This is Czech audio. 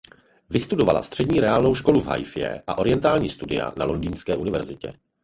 Vystudovala střední reálnou školu v Haifě a orientální studia na Londýnské univerzitě.